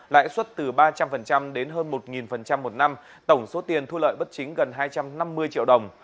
lãi suất từ ba trăm linh đến hơn một một năm tổng số tiền thu lợi bất chính gần hai trăm năm mươi triệu đồng